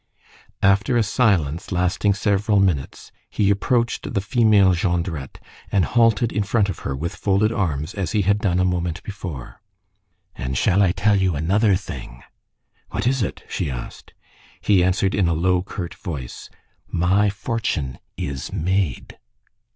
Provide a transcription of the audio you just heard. After a silence lasting several minutes, he approached the female Jondrette, and halted in front of her, with folded arms, as he had done a moment before:— "And shall I tell you another thing?" "What is it?" she asked. He answered in a low, curt voice:— "My fortune is made."